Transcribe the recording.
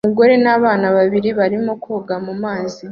Umugore n'abana babiri barimo koga mumazi